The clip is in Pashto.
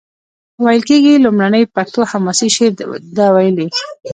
ویل کیږي لومړنی پښتو حماسي شعر ده ویلی.